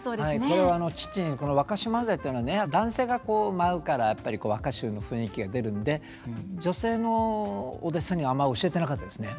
これは父にこの「若衆萬歳」っていうのはね男性が舞うからやっぱり若衆の雰囲気が出るんで女性のお弟子さんにはあんまり教えてなかったですね。